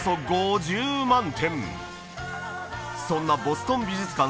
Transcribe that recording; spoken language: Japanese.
そんなボストン美術館